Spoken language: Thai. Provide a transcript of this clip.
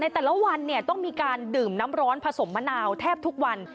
แต่ละวันต้องมีการดื่มน้ำร้อนผสมมะนาวแทบทุกวัน